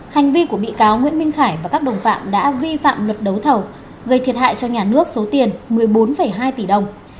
hành vi của bị cáo nguyễn minh khải và các đồng phạm đã vi phạm luật đấu thầu gây thiệt hại cho nhà nước số tiền một mươi bốn hai tỷ đồng